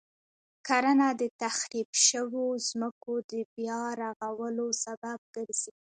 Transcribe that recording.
کرنه د تخریب شويو ځمکو د بیا رغولو سبب ګرځي.